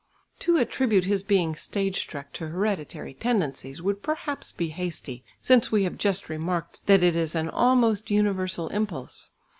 To attribute his being stage struck to hereditary tendencies would perhaps be hasty, since we have just remarked that it is an almost universal impulse.